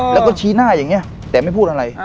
แล้วก็ชี้หน้าอย่างนี้แต่ไม่พูดอะไร